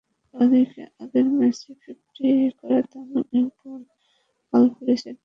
ওদিকে আগের ম্যাচে ফিফটি করা তামিম ইকবাল কাল পেয়েছেন টুর্নামেন্টে নিজের দ্বিতীয় ফিফটিটিও।